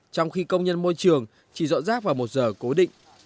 những công nhân môi trường chỉ dọn rác vào một giờ cố định